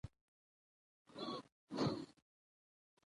بیا همدا سنت عام شو،